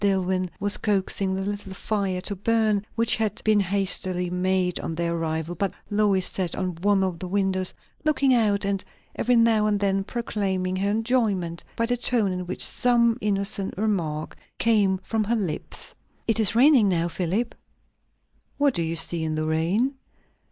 Dillwyn was coaxing the little fire to burn, which had been hastily made on their arrival; but Lois sat at one of the windows looking out, and every now and then proclaiming her enjoyment by the tone in which some innocent remark came from her lips. "It is raining now, Philip." "What do you see in the rain?"